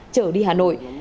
trở đi hà nội